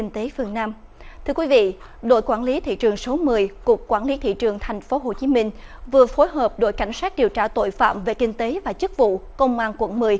thưa quý vị đội quản lý thị trường số một mươi cục quản lý thị trường tp hcm vừa phối hợp đội cảnh sát điều tra tội phạm về kinh tế và chức vụ công an quận một mươi